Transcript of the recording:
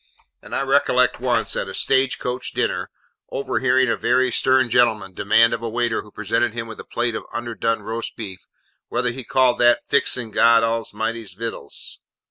And I recollect once, at a stage coach dinner, overhearing a very stern gentleman demand of a waiter who presented him with a plate of underdone roast beef, 'whether he called that, fixing God A'mighty's vittles?